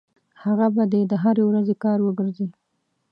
هغه به دې د هرې ورځې کار وګرځي.